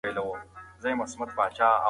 سیالۍ ډېرې سختې وي.